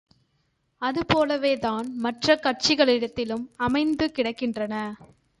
அதுபோலவே தான் மற்ற கட்சிகளிடத்திலும் அமைந்து கிடக்கின்றன.